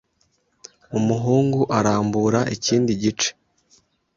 Umuhungu arambura ikindi gice.